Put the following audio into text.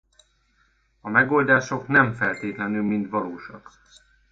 A megoldások nem feltétlenül mind valósak.